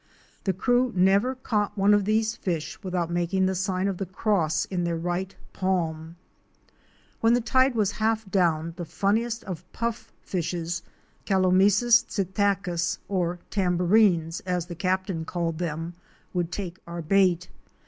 The crew never caught one of these fish without making the sign of the cross in, their right palm. When the tide was half down the funniest of puff fishes (Calomesus psitiacus), or tambourines as the Captain called them, would take our bait.